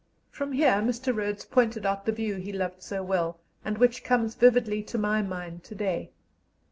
From here Mr. Rhodes pointed out the view he loved so well, and which comes vividly to my mind to day.